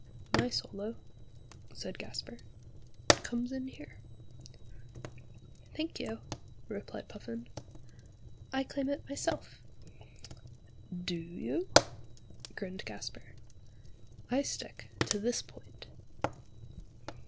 "My solo," said Gasper, "comes in here." "Thank you," replied Puffin; "I claim it myself." "Do you?" grinned Gasper; "I stick to this point."